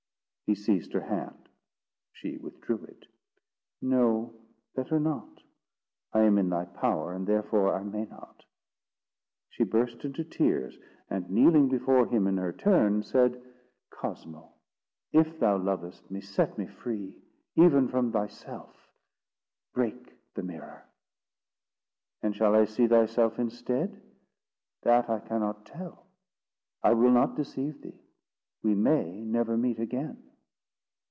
He seized her hand: she withdrew it. "No, better not; I am in thy power, and therefore I may not." She burst into tears, and kneeling before him in her turn, said— "Cosmo, if thou lovest me, set me free, even from thyself; break the mirror." "And shall I see thyself instead?" "That I cannot tell, I will not deceive thee; we may never meet again."